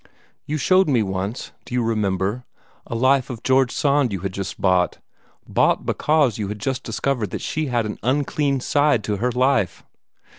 You showed me once do you remember? a life of George Sand that you had just bought, bought because you had just discovered that she had an unclean side to her life.